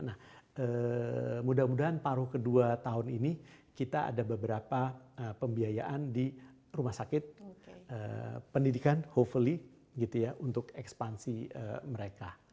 nah mudah mudahan paruh kedua tahun ini kita ada beberapa pembiayaan di rumah sakit pendidikan hopefully gitu ya untuk ekspansi mereka